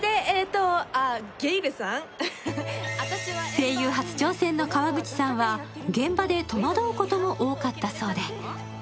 声優初挑戦の川口さんは現場で戸惑うことも多かったそうで。